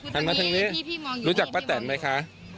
หันมาถึงนี้รู้จักป้าแต่นไหมคะ